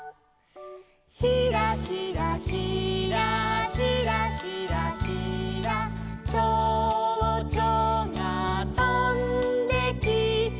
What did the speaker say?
「ひらひらひらひらひらひら」「ちょうちょがとんできて」